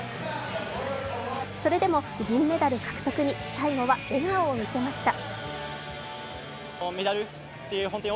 それでも銀メダル獲得に最後は笑顔を見せました。